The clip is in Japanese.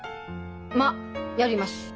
まあやります。